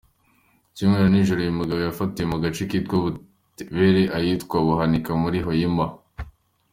Ku cyumweru nijoro, uyu mugabo yafatiwe mu gace kitwa Butebere, ahitwa Buhanika muri Hoima.